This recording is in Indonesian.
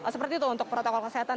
seperti itu untuk protokol kesehatan